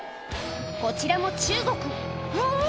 こちらも中国うわ！